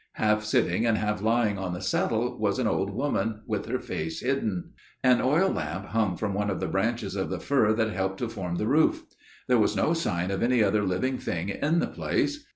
Half sitting and half lying on the settle, was an old woman with her face hidden. An oil lamp hung from one of the branches of the fir that helped to form the roof. There was no sign of any other living thing in the place.